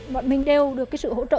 bọn mình đều được sự hỗ trợ